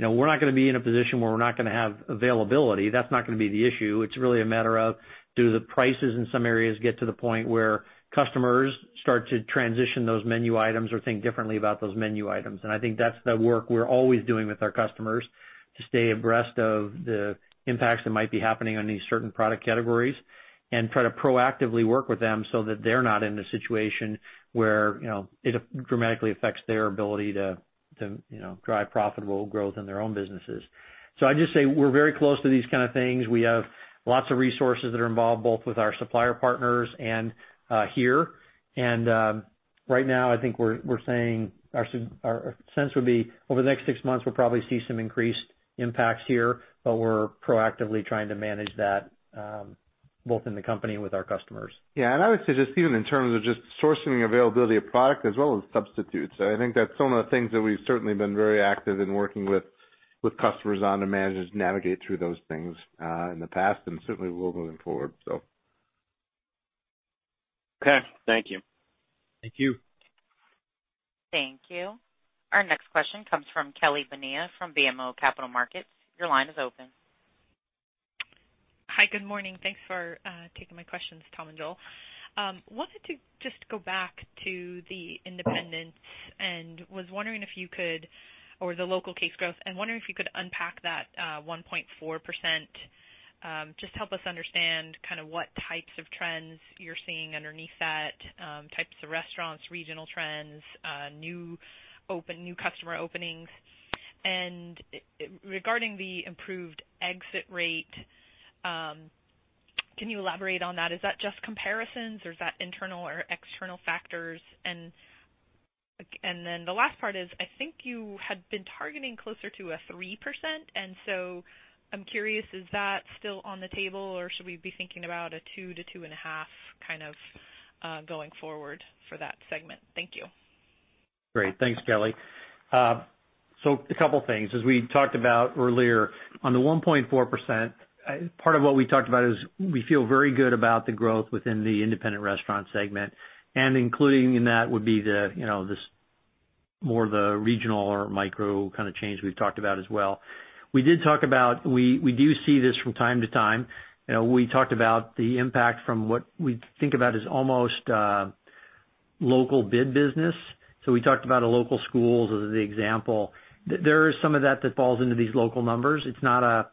C: We're not going to be in a position where we're not going to have availability. That's not going to be the issue. It's really a matter of, do the prices in some areas get to the point where customers start to transition those menu items or think differently about those menu items? I think that's the work we're always doing with our customers to stay abreast of the impacts that might be happening on these certain product categories and try to proactively work with them so that they're not in a situation where it dramatically affects their ability to drive profitable growth in their own businesses. I'd just say we're very close to these kind of things. We have lots of resources that are involved both with our supplier partners and here. Right now, I think our sense would be over the next six months, we'll probably see some increased impacts here, but we're proactively trying to manage that both in the company and with our customers.
D: I would say just even in terms of just sourcing availability of product as well as substitutes. I think that's some of the things that we've certainly been very active in working with customers on to manage and navigate through those things in the past and certainly will moving forward.
K: Okay. Thank you.
C: Thank you.
A: Thank you. Our next question comes from Kelly Bania from BMO Capital Markets. Your line is open.
L: Hi, good morning. Thanks for taking my questions, Tom and Joel. Wanted to just go back to the independents and was wondering if you could or the local case growth. I'm wondering if you could unpack that 1.4%. Just help us understand kind of what types of trends you're seeing underneath that, types of restaurants, regional trends, new customer openings. Regarding the improved exit rate, can you elaborate on that? Is that just comparisons or is that internal or external factors? The last part is, I think you had been targeting closer to a 3%. I'm curious, is that still on the table or should we be thinking about a 2% to 2.5% going forward for that segment? Thank you.
C: Great. Thanks, Kelly. A couple things. As we talked about earlier, on the 1.4%, part of what we talked about is we feel very good about the growth within the independent restaurant segment, and including in that would be more the regional or micro-chains we've talked about as well. We do see this from time to time. We talked about the impact from what we think about as almost local bid business. We talked about local schools as the example. There is some of that that falls into these local numbers. It's not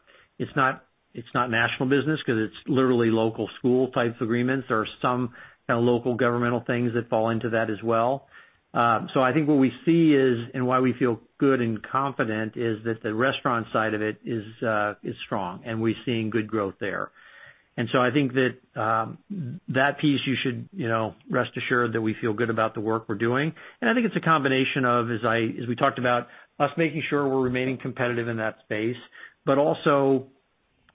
C: national business because it's literally local school types agreements. There are some local governmental things that fall into that as well. I think what we see is, and why we feel good and confident, is that the restaurant side of it is strong, and we're seeing good growth there. I think that piece you should rest assured that we feel good about the work we're doing. I think it's a combination of, as we talked about, us making sure we're remaining competitive in that space. Also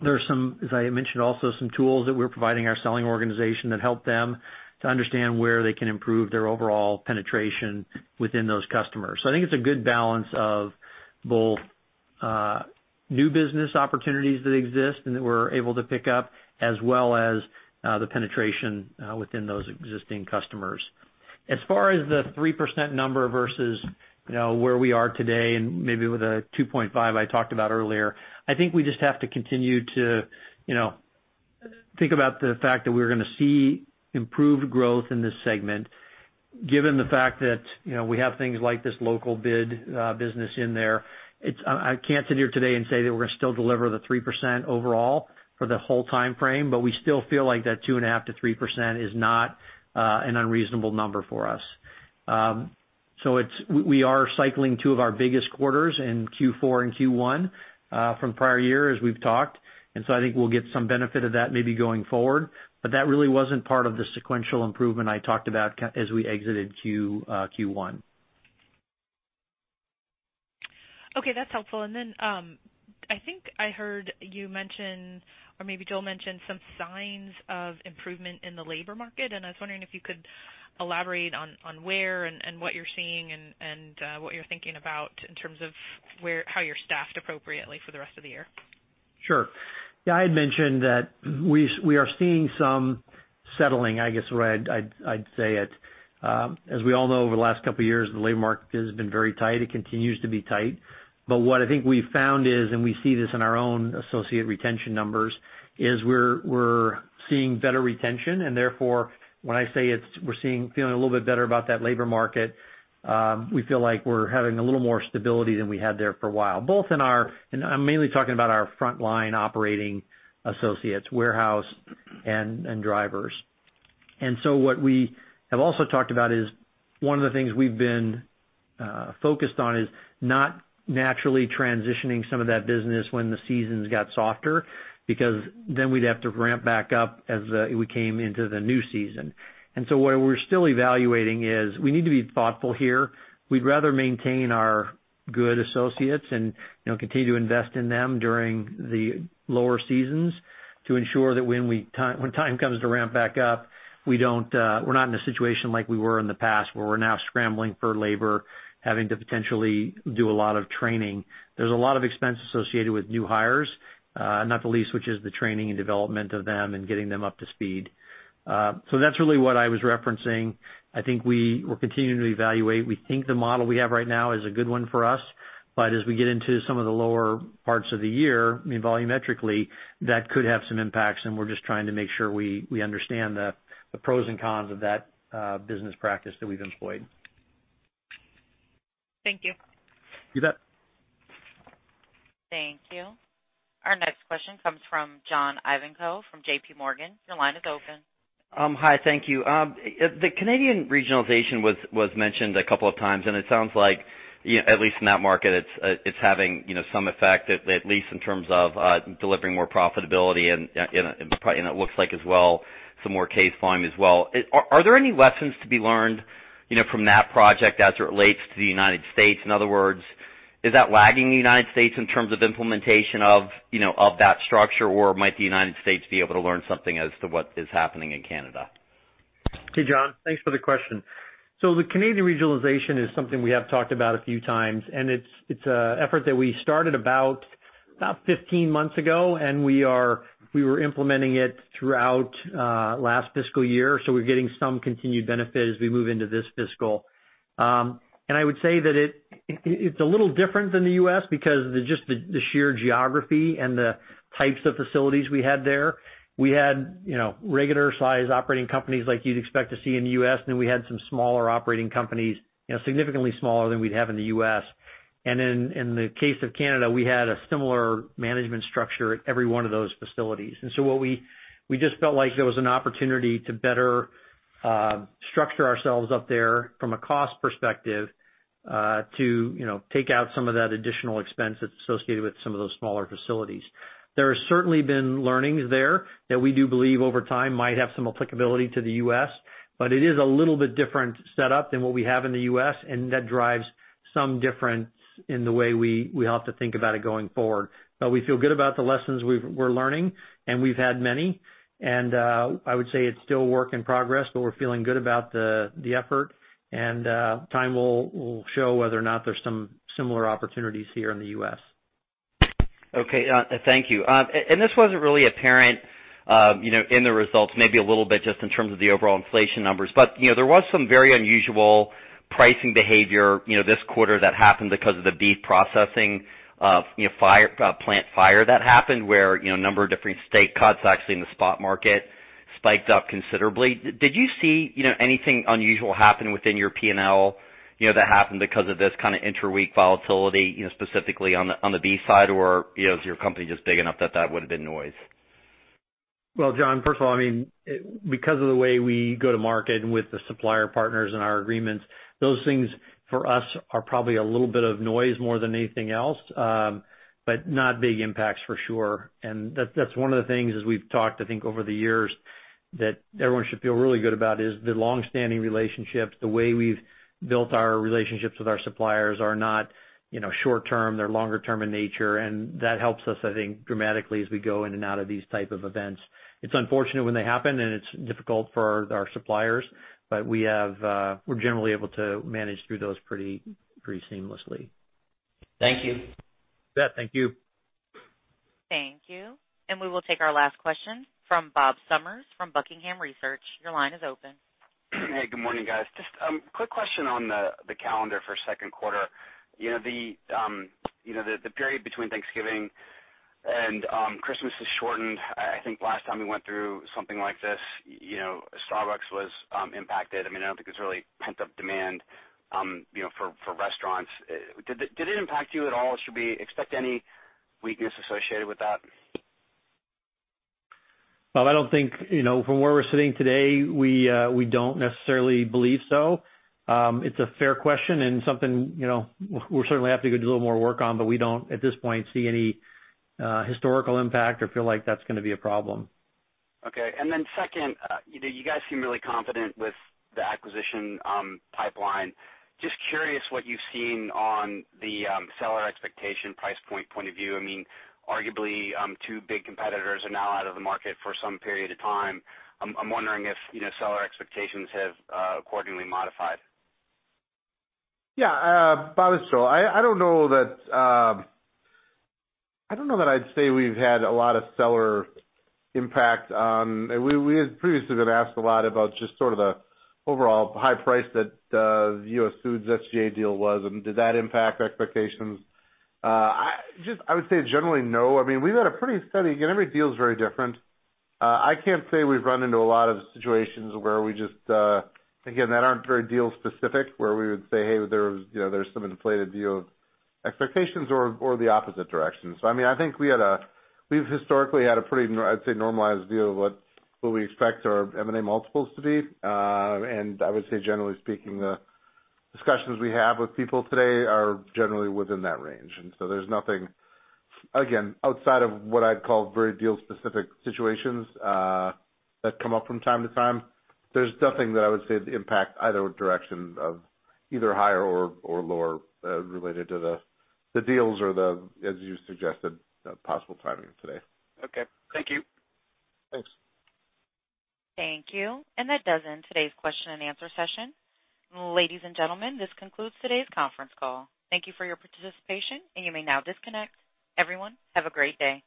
C: there are some, as I mentioned, also some tools that we're providing our selling organization that help them to understand where they can improve their overall penetration within those customers. I think it's a good balance of both new business opportunities that exist and that we're able to pick up, as well as the penetration within those existing customers. As far as the 3% number versus where we are today and maybe with the 2.5 I talked about earlier, I think we just have to continue to think about the fact that we're going to see improved growth in this segment. Given the fact that we have things like this local bid business in there, I can't sit here today and say that we're going to still deliver the 3% overall for the whole timeframe, but we still feel like that 2.5%-3% is not an unreasonable number for us. We are cycling two of our biggest quarters in Q4 and Q1 from prior year, as we've talked, and so I think we'll get some benefit of that maybe going forward. That really wasn't part of the sequential improvement I talked about as we exited Q1.
L: Okay, that's helpful. I think I heard you mention, or maybe Joel mentioned, some signs of improvement in the labor market, and I was wondering if you could elaborate on where and what you're seeing and what you're thinking about in terms of how you're staffed appropriately for the rest of the year.
C: Sure. Yeah, I had mentioned that we are seeing some settling, I guess, where I'd say it. As we all know, over the last couple of years, the labor market has been very tight. It continues to be tight. What I think we've found is, and we see this in our own associate retention numbers, is we're seeing better retention, and therefore, when I say we're feeling a little bit better about that labor market, we feel like we're having a little more stability than we had there for a while, both in our, and I'm mainly talking about our frontline operating associates, warehouse and drivers. What we have also talked about is one of the things we've been focused on is not naturally transitioning some of that business when the seasons got softer, because then we'd have to ramp back up as we came into the new season. What we're still evaluating is we need to be thoughtful here. We'd rather maintain our good associates and continue to invest in them during the lower seasons to ensure that when time comes to ramp back up, we're not in a situation like we were in the past where we're now scrambling for labor, having to potentially do a lot of training. There's a lot of expense associated with new hires, not the least which is the training and development of them and getting them up to speed. That's really what I was referencing. I think we're continuing to evaluate. We think the model we have right now is a good one for us. As we get into some of the lower parts of the year, volumetrically, that could have some impacts, and we're just trying to make sure we understand the pros and cons of that business practice that we've employed.
L: Thank you.
C: You bet.
A: Thank you. Our next question comes from John Ivankoe from JP Morgan. Your line is open.
M: Hi, thank you. The Canadian regionalization was mentioned a couple of times, and it sounds like, at least in that market, it's having some effect, at least in terms of delivering more profitability, and it looks like as well, some more case volume as well. Are there any lessons to be learned from that project as it relates to the U.S.? In other words, is that lagging the U.S. in terms of implementation of that structure, or might the U.S. be able to learn something as to what is happening in Canada?
C: Hey, John. Thanks for the question. The Canadian regionalization is something we have talked about a few times, and it's an effort that we started about 15 months ago, and we were implementing it throughout last fiscal year, so we're getting some continued benefit as we move into this fiscal. I would say that it's a little different than the U.S. because just the sheer geography and the types of facilities we had there. We had regular size operating companies like you'd expect to see in the U.S., and then we had some smaller operating companies, significantly smaller than we'd have in the U.S. In the case of Canada, we had a similar management structure at every one of those facilities. We just felt like there was an opportunity to better structure ourselves up there from a cost perspective, to take out some of that additional expense that's associated with some of those smaller facilities. There has certainly been learnings there that we do believe over time might have some applicability to the U.S., but it is a little bit different set up than what we have in the U.S., and that drives some difference in the way we have to think about it going forward. We feel good about the lessons we're learning, and we've had many. I would say it's still a work in progress, but we're feeling good about the effort. Time will show whether or not there's some similar opportunities here in the U.S.
M: Okay. Thank you. This wasn't really apparent in the results, maybe a little bit just in terms of the overall inflation numbers. There was some very unusual pricing behavior this quarter that happened because of the beef processing plant fire that happened where a number of different steak cuts actually in the spot market spiked up considerably. Did you see anything unusual happen within your P&L that happened because of this kind of inter-week volatility specifically on the beef side, or is your company just big enough that that would have been noise?
C: John, first of all, because of the way we go to market with the supplier partners and our agreements, those things for us are probably a little bit of noise more than anything else. Not big impacts for sure. That's one of the things, as we've talked, I think, over the years, that everyone should feel really good about is the longstanding relationships. The way we've built our relationships with our suppliers are not short-term, they're longer-term in nature, and that helps us, I think, dramatically as we go in and out of these type of events. It's unfortunate when they happen, and it's difficult for our suppliers. We're generally able to manage through those pretty seamlessly.
M: Thank you.
C: Beth, thank you.
A: Thank you. We will take our last question from Bob Summers from Buckingham Research. Your line is open.
N: Hey, good morning, guys. Just quick question on the calendar for second quarter. The period between Thanksgiving and Christmas is shortened. I think last time we went through something like this, Starbucks was impacted. I don't think there's really pent-up demand for restaurants. Did it impact you at all? Should we expect any weakness associated with that?
C: Bob, I don't think, from where we're sitting today, we don't necessarily believe so. Something we certainly have to go do a little more work on, but we don't, at this point, see any historical impact or feel like that's going to be a problem.
N: Okay. Second, you guys seem really confident with the acquisition pipeline. Just curious what you've seen on the seller expectation price point of view. Arguably, two big competitors are now out of the market for some period of time. I'm wondering if seller expectations have accordingly modified.
D: Yeah. Bob, it's Joel. I don't know that I'd say we've had a lot of seller impact. We previously been asked a lot about just sort of the overall high price that the US Foods SGA deal was, and did that impact expectations? I would say generally, no. We've had a pretty steady. Every deal is very different. I can't say we've run into a lot of situations where we just, again, that aren't very deal specific, where we would say, "Hey, there's some inflated view of expectations or the opposite direction." I think we've historically had a pretty, I'd say, normalized view of what we expect our M&A multiples to be. I would say generally speaking, the discussions we have with people today are generally within that range. There's nothing, again, outside of what I'd call very deal specific situations that come up from time to time. There's nothing that I would say impact either direction of either higher or lower related to the deals or as you suggested, the possible timing today.
N: Okay. Thank you.
D: Thanks.
A: Thank you. That does end today's question and answer session. Ladies and gentlemen, this concludes today's conference call. Thank you for your participation, and you may now disconnect. Everyone, have a great day.